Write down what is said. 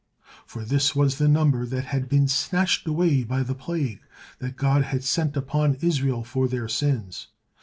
For this was the number that had been snatched away by the plague that God had sent upon Israel for their sins.